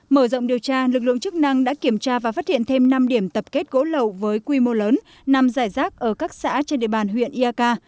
mở rộng điều tra lực lượng chức năng đã kiểm tra và phát hiện thêm năm điểm tập kết gỗ lậu với quy mô lớn nằm giải rác ở các xã trên địa bàn huyện iak